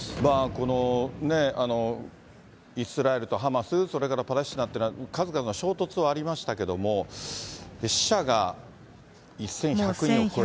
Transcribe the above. このイスラエルとハマス、それからパレスチナっていうのは、数々の衝突はありましたけれども、死者が１１００人を超える。